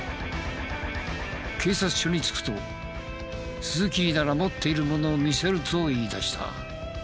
警察署に着くと「鈴木になら持っているものを見せる」と言いだした。